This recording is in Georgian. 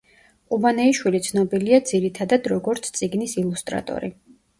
ყუბანეიშვილი ცნობილია ძირითადად როგორც წიგნის ილუსტრატორი.